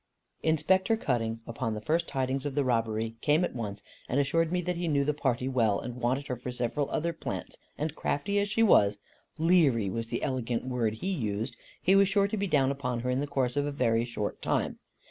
Inspector Cutting, upon the first tidings of the robbery, came at once, and assured me that he knew the "party" well, and wanted her for several other plants, and crafty as she was ("leary" was the elegant word he used) he was sure to be down upon her in the course of a very short time.